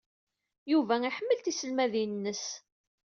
Yuba iḥemmel tiselmadin-nnes.